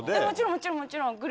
もちろん、もちろん。